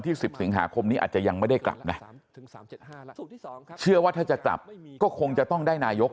ที่๑๐สิงหาคบนี้อาจยังไม่ได้กลับน่ะถ้าจัดตั้งได้นายก